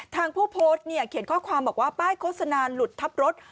ผู้โพสต์เนี่ยเขียนข้อความบอกว่าป้ายโฆษณาหลุดทับรถ